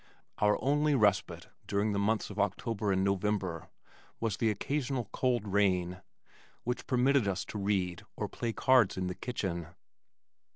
Our only respite during the months of October and November was the occasional cold rain which permitted us to read or play cards in the kitchen.